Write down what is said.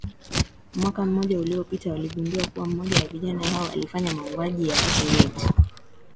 Mwaka mmoja uliopita waligundua kuwa mmoja wa vijana hao alifanya mauaji ya watu nyeti